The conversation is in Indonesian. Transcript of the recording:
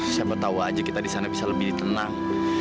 siapa tahu aja kita di sana bisa lebih tenang